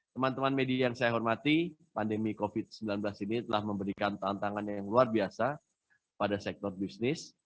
teman teman media yang saya hormati pandemi covid sembilan belas ini telah memberikan tantangan yang luar biasa pada sektor bisnis